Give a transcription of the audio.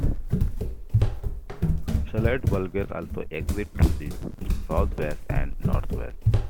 Slight bulges also exist to the southwest and northwest.